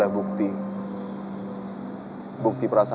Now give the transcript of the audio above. jangan lupa rekaan